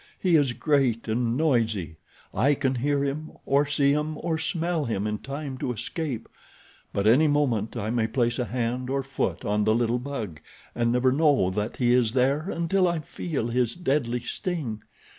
He is great and noisy. I can hear him, or see him, or smell him in time to escape; but any moment I may place a hand or foot on the little bug, and never know that he is there until I feel his deadly sting.